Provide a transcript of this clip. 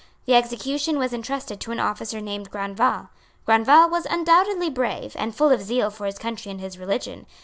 The execution was entrusted to an officer named Grandval. Grandval was undoubtedly brave, and full of zeal for his country and his religion.